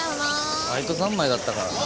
バイト三昧だったからなあ。